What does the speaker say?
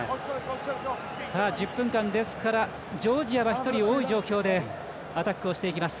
１０分間、ジョージアは１人多い状況でアタックをしていきます。